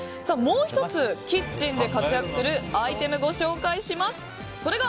もう１つキッチンで活躍するアイテムご紹介します。